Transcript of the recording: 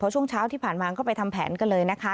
ช่วงเช้าที่ผ่านมาก็ไปทำแผนกันเลยนะคะ